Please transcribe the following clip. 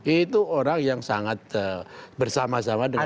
itu orang yang sangat bersama sama dengan